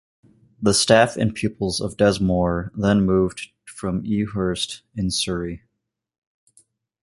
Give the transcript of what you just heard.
The staff and pupils of Desmoor then moved from Ewhurst in Surrey.